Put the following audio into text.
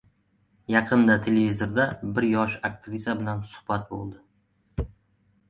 Yaqinda televizorda bir yosh aktrisa bilan suhbat bo‘ldi.